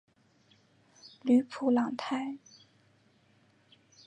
吕普朗泰。